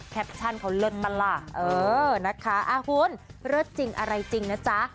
แคปชั่นเขาเลิศปะล่ะเออนะคะคุณเลิศจริงอะไรจริงนะจ๊ะ